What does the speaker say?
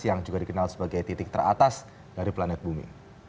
yang juga dikenal sebagai titik teratas dari planet bumi